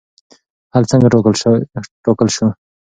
حل څنګه ټاکل شو؟